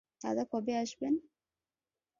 দাদা কবে আসবেন?